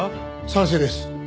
賛成です。